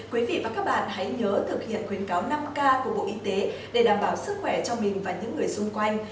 quý vị và các bạn hãy nhớ thực hiện khuyến cáo năm k của bộ y tế để đảm bảo sức khỏe cho mình và những người xung quanh